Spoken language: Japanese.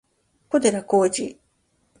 小寺浩二